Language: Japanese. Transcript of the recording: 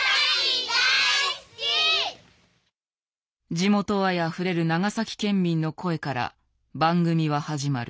地元愛あふれる長崎県民の声から番組は始まる。